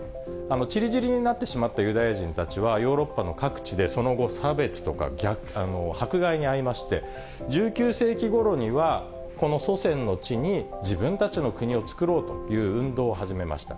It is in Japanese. ちりぢりになってしまったユダヤ人たちは、ヨーロッパの各地でその後、差別とか迫害に遭いまして、１９世紀ごろには、この祖先の地に、自分たちの国をつくろうという運動を始めました。